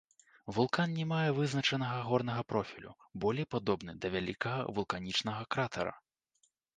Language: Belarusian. Вулкан не мае вызначанага горнага профілю, болей падобны да вялікага вулканічнага кратара.